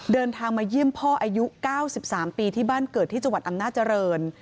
เดินทางมาเยี่ยมพ่ออายุ๙๓ปีที่บ้านเกิดที่จังหวัดอำนาจริง